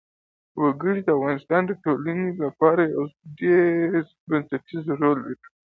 وګړي د افغانستان د ټولنې لپاره یو ډېر بنسټيز رول لري.